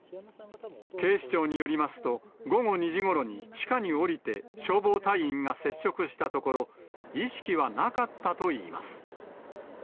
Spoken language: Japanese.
警視庁によりますと、午後２時ごろに地下に下りて、消防隊員が接触したところ、意識はなかったといいます。